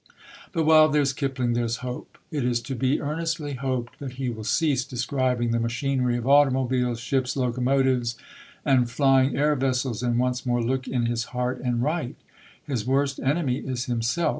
But while there's Kipling, there's hope." It is to be earnestly hoped that he will cease describing the machinery of automobiles, ships, locomotives, and flying air vessels, and once more look in his heart and write. His worst enemy is himself.